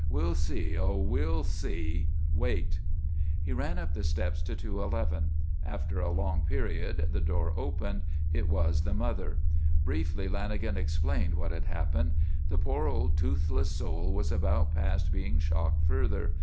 We'll see, oh, we'll see! Wait." He ran up the steps to 211. After a long period, the door opened. It was the mother. Briefly Lanagan explained what had happened. The poor old toothless soul was about past being shocked further.